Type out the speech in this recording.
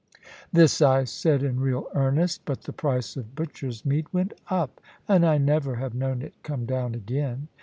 This I said in real earnest; but the price of butcher's meat went up, and I never have known it come down again.